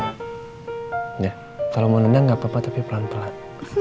iya kalau mau nendang nggak apa apa tapi pelan pelan